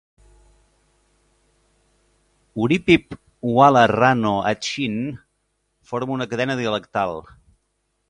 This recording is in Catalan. Uripiv-Wala-Rano-Atchin forma una cadena dialectal.